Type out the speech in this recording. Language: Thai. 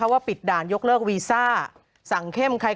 โหยวายโหยวายโหยวายโหยวายโหยวาย